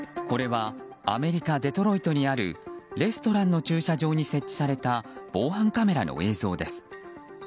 これはアメリカ・デトロイトにあるレストランの駐車場に設置された防犯カメラの映像です。